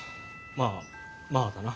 まあまあだな。